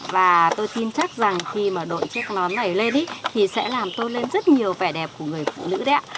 và tôi tin chắc rằng khi mà đội chiếc nón này lên thì sẽ làm tôn lên rất nhiều vẻ đẹp của người phụ nữ đấy ạ